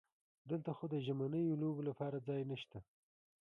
دلته خو د ژمنیو لوبو لپاره ځای نشته.